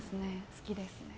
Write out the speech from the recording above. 好きですね。